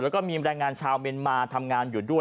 แล้วก็มีแรงงานชาวเมียนมาทำงานอยู่ด้วย